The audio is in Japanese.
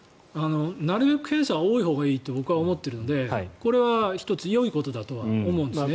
なるべく検査は多いほうがいいと僕は思っているのでこれは１つ、よいことだとは思うんですね。